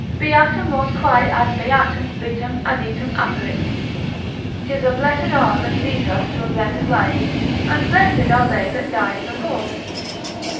Beata mors quae ad beatam vitam aditum aperit, 'tis a blessed hour that leads us to a blessed life, and blessed are they that die in the Lord.